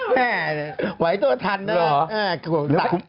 แม่ไหวตัวทันแล้ว